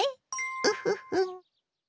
ウフフ。